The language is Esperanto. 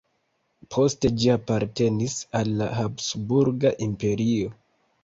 Poste ĝi apartenis al la Habsburga Imperio.